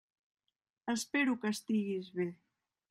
Espero que estiguis bé.